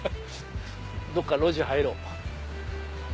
どっか路地入ろう。